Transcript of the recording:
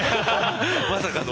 まさかの。